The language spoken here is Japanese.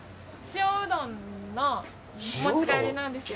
塩うどんのお持ち帰りなんです。